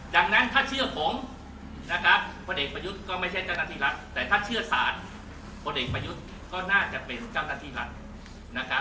อย่างนั้นถ้าเชื่อผมคนเอกประยุทธ์ก็ไม่ใช่เจ้าหน้าที่รัก